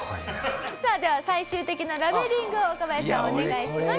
さあでは最終的なラベリングを若林さんお願いします。